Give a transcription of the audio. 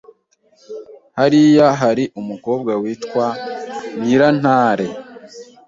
Hariya hari umukobwa witwa Nyirantare